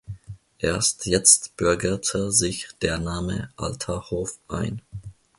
Erst jetzt bürgerte sich der Name „Alter Hof“ ein.